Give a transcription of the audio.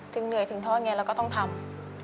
ถึงเหนื่อยถึงเทาะอย่างนี้เราก็ต้องทำ